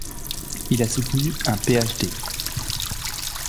Il a soutenu un Ph.D.